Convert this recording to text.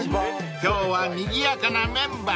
［今日はにぎやかなメンバー］